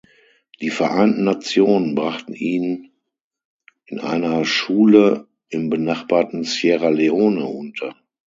Die Vereinten Nationen brachten ihn in einer Schule im benachbarten Sierra Leone unter.